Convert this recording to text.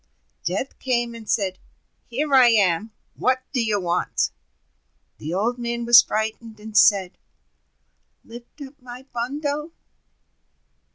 Death came, and said: "Here I am, what do you want?" The Old Man was frightened, and said: "Lift up my bundle!"